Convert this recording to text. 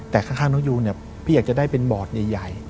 แต่ข้างน้องยูนพี่อยากจะได้เป็นบอร์ดใหญ่